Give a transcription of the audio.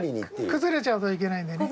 崩れちゃうといけないんでね。